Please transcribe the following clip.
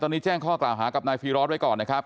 ตอนนี้แจ้งข้อกล่าวหากับนายฟีรอสไว้ก่อนนะครับ